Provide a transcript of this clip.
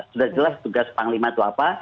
sudah jelas tugas panglima itu apa